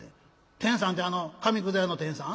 「天さんてあの紙くず屋の天さん？